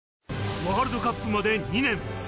ワールドカップまで２年。